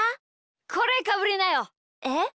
これかぶりなよ。えっ？